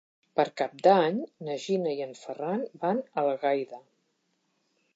Per Cap d'Any na Gina i en Ferran van a Algaida.